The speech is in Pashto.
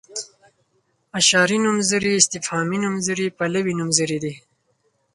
اشاري نومځري استفهامي نومځري پلوي نومځري دي.